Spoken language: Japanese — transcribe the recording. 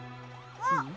あっ。